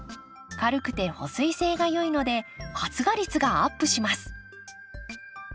軽くて保水性が良いので発芽率がアップします。